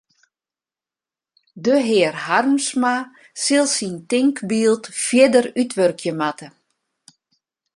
De hear Harmsma sil syn tinkbyld fierder útwurkje moatte.